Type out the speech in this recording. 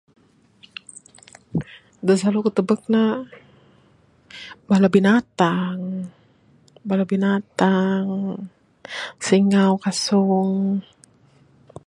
Da silalu ku tubek ne bala binatang. Bala binatang singau, kasung